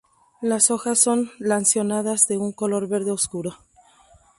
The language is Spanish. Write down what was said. Las hojas son lanceoladas de un color verde oscuro.